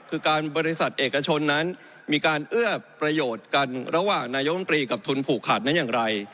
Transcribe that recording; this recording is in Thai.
คือการบริษัทเอกชนนั้นมีการเอื้อประโยชน์กันระหว่างนายกรรมตรีกับทุนผูกขาดนั้นอย่างไร